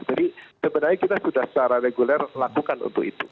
jadi sebenarnya kita sudah secara reguler lakukan untuk itu